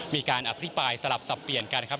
มีการอภิปรายสลับสับเปลี่ยนกันครับ